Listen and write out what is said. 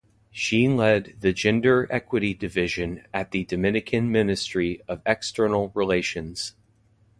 She led the Gender Equity Division at the Dominican Ministry of External Relations.